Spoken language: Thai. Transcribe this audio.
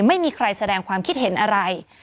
ไม่มีใครแสดงความคิดเห็นอะไร